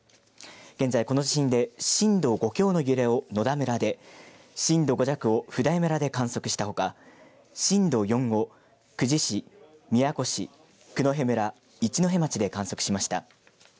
現在この地震で震度５強の揺れを野田村で震度５弱を普代村で観測したほか震度４を久慈市、宮古市九戸村、一戸町で観測しました。